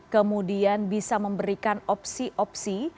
kemudian bisa memberikan opsi opsi